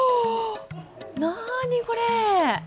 何これ？